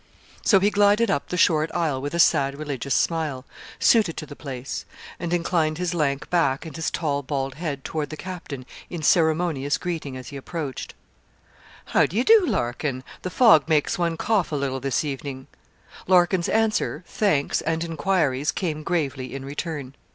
So he glided up the short aisle with a sad religious smile, suited to the place, and inclined his lank back and his tall bald head toward the captain in ceremonious greeting as he approached. 'How d'ye do, Larkin? The fog makes one cough a little this evening.' Larkin's answer, thanks, and enquiries, came gravely in return.